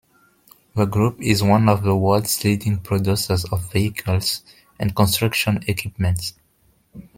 The Group is one of the world's leading producers of vehicles and construction equipment.